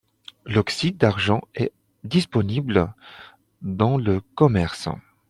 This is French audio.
L'oxyde d'argent est disponible dans le commerce.